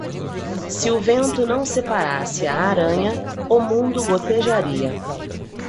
Se o vento não separasse a aranha, o mundo gotejaria.